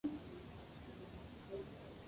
It was something to cope with.